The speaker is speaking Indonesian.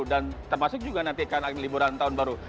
dan termasuk juga nantikan akhir liburan tahun baru